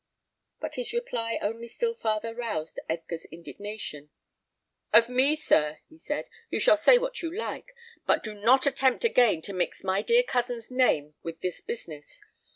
But his reply only still farther roused Edgar's indignation. "Of me, sir," he said, "you shall say what you like; but do not attempt again to mix my dear cousin's name with this business.